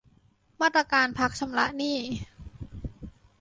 มาตรการพักชำระหนี้